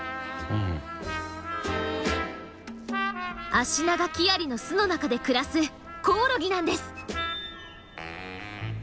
アシナガキアリの巣の中で暮らすコオロギなんです。